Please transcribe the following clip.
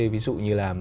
ví dụ như là